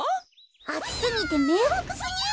あつすぎてめいわくすぎる！